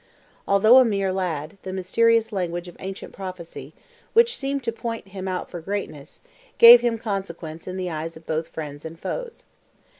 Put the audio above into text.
Although a mere lad, the mysterious language of ancient prophecy, which seemed to point him out for greatness, give him consequence in the eyes of both friends and foes.